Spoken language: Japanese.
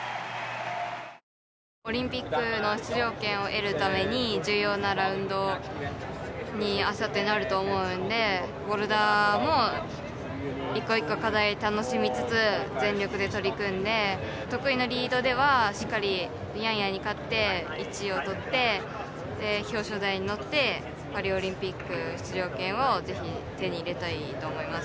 オリンピックの出場権を得るために重要なラウンドにあさって、なると思うんでボルダーも一個一個、課題を楽しみつつ全力で取り組んで得意のリードではしっかりヤンヤに勝って１位を取って表彰台に乗ってパリオリンピック出場権をぜひ、手に入れたいと思います。